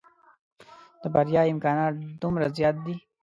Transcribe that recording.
د بريا امکانات دومره زيات دي.